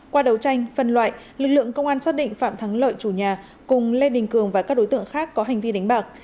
qua đấu tranh phân loại lực lượng công an xác định phạm thắng lợi chủ nhà cùng lê đình cường và các đối tượng khác có hành vi đánh bạc